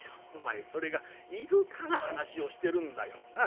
「お前それがいるから話をしてるんだよ。